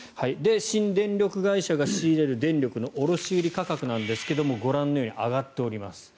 新電力会社が仕入れる電力の卸売価格ですがご覧のように上がっております。